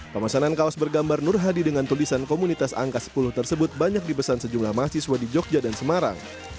pemesanan kaos bergambar nur hadi dengan tulisan komunitas angka sepuluh tersebut banyak dipesan sejumlah mahasiswa di jogja dan semarang